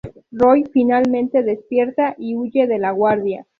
Roy finalmente despierta y huye de la guarida.